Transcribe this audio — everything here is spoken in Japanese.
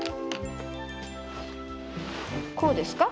こうですか？